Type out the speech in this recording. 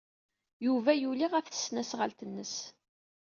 Yuba yuli ɣef tesnasɣalt-nnes.